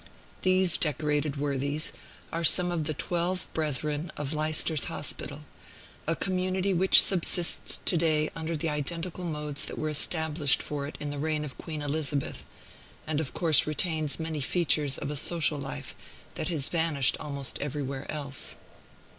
These decorated worthies are some of the twelve brethren of Leicester's Hospital, a community which subsists to day under the identical modes that were established for it in the reign of Queen Elizabeth, and of course retains many features of a social life that has vanished almost everywhere else.